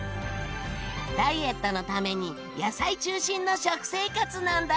ダイエットのために野菜中心の食生活なんだって。